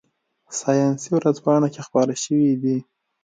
ساینسي ورځپاڼه کې خپاره شوي دي.